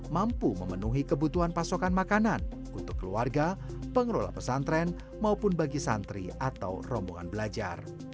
mampu memenuhi kebutuhan pasokan makanan untuk keluarga pengelola pesantren maupun bagi santri atau rombongan belajar